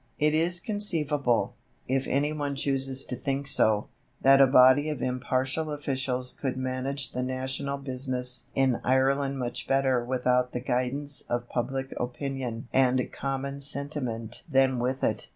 It is conceivable, if any one chooses to think so, that a body of impartial officials could manage the national business in Ireland much better without the guidance of public opinion and common sentiment than with it.